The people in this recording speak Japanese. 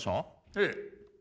ええ。